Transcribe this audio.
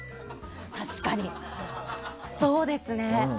確かにそうですね。